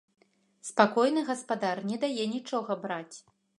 Спакойны гаспадар не дае нічога браць.